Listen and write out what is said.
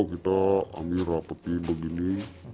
kita ambil rapetin begini